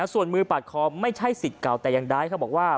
ส่วนมือปาดคอไม่ใช่สิทธิ์เก่าแต่อย่างใดเขาบอกว่า